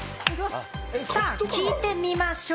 さぁ、聞いてみましょう。